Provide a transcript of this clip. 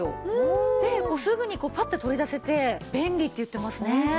すぐにパッと取り出せて便利って言ってますね。